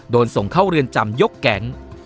โดนส่งเข้าเรือนจำยกแก๊ง